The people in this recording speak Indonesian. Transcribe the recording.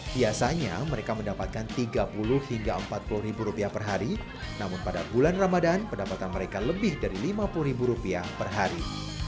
biasanya mereka mendapatkan tiga puluh hingga empat puluh ribu rupiah per hari namun pada bulan ramadan pendapatan mereka lebih dari lima puluh per hari